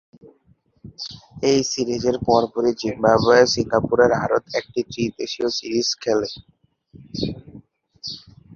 এই সিরিজের পরপরই জিম্বাবুয়ে, সিঙ্গাপুরে আরো একটি ত্রি-দেশীয় সিরিজ খেলে।